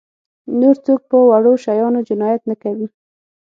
نور څوک په وړو شیانو جنایت نه کوي.